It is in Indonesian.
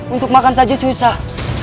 untuk makan saja susah